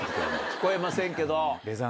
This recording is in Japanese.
聞こえませんけど。